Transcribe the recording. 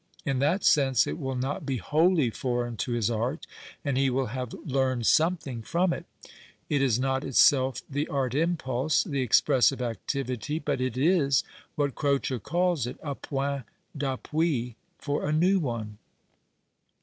In that sense it will not be " wholly foreign " to his art, and he will have " learned " something from it. It is not itself the art impulse, the expressive activity, but it is, what Croce calls it, a point (Vappui for a new one.